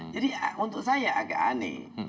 jadi untuk saya agak aneh